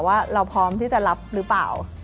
ว่าเราพร้อมที่จะรับหรือเปล่า